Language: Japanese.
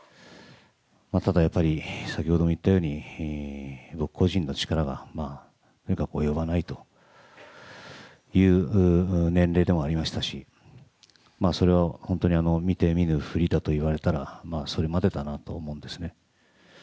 ただやっぱり、先ほども言ったように僕個人の力がとにかく及ばないという年齢でもありましたしそれは本当に見て見ぬふりだと言われたらそれまでだなと思うんですね。